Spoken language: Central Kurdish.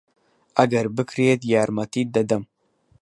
ئەگەر بکرێت یارمەتیت دەدەم.